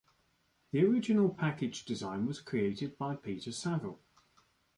The original package design was created by Peter Saville.